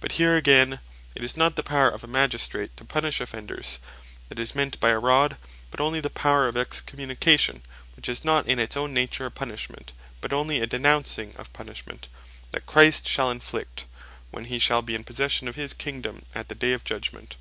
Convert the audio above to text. But here again, it is not the Power of a Magistrate to punish offenders, that is meant by a Rod; but onely the Power of Excommunication, which is not in its owne nature a Punishment, but onely a Denouncing of punishment, that Christ shall inflict, when he shall be in possession of his Kingdome, at the day of Judgment.